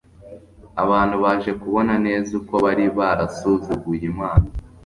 Abantu baje kubona neza uko bari barasuzuguye Imana